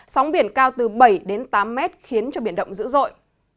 sóng biển cao từ bảy đến tám mét khiến cho biển động dữ dội